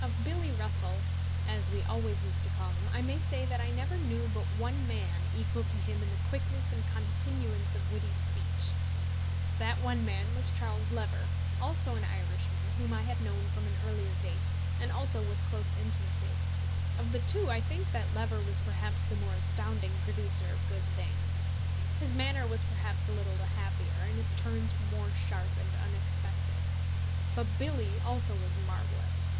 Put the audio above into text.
Of "Billy Russell," as we always used to call him, I may say that I never knew but one man equal to him in the quickness and continuance of witty speech. That one man was Charles Lever also an Irishman whom I had known from an earlier date, and also with close intimacy. Of the two, I think that Lever was perhaps the more astounding producer of good things. His manner was perhaps a little the happier, and his turns more sharp and unexpected. But "Billy" also was marvellous.